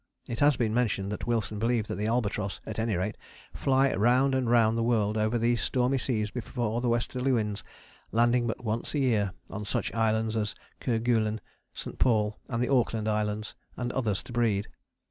It has been mentioned that Wilson believed that the albatross, at any rate, fly round and round the world over these stormy seas before the westerly winds, landing but once a year on such islands as Kerguelen, St. Paul, the Auckland Islands and others to breed.